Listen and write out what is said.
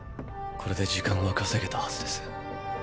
これで時間は稼げたはずです。